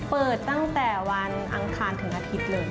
เปิดตั้งแต่วันอังคารถึงอาทิตย์เลย